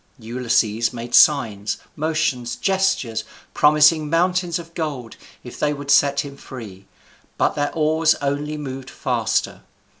Ulysses made signs, motions, gestures, promising mountains of gold if they would set him free; but their oars only moved faster.